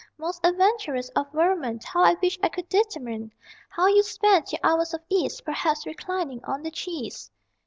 Most adventurous of vermin, How I wish I could determine How you spend your hours of ease, Perhaps reclining on the cheese.